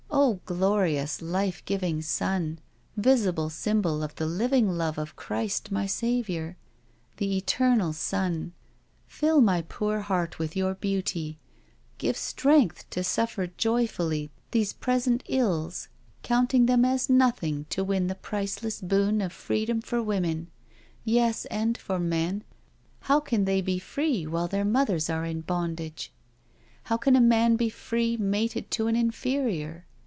Oh glorious, life giving sun I — ^visible sym bol of the living love of Christ my Saviour— the Eternal Sun^fiU my poor heart with your beauty — give strength to suffer joyfully these present ills^ counting them as T 274 .. ffO SURRENDER nothing to win the priceless boon of freedom for women — ^yes, and for men— how can they be free while their mothers are in bondage? — ^how can a man be free mated to an inferior?